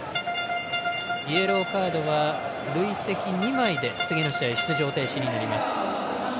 イエローカードは累積２枚で次の試合出場停止になります。